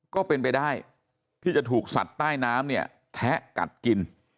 ก็เป็นไปได้ที่จะถูกสัตว์ใต้น้ำเนี่ยแทะกัดกิน